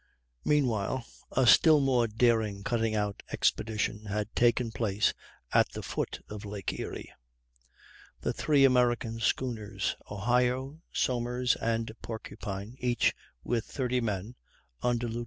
Meanwhile a still more daring cutting out expedition had taken place at the foot of Lake Erie. The three American schooners, Ohio, Somers, and Porcupine, each with 30 men, under Lieut.